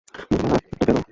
মধুবালা তো গেলো।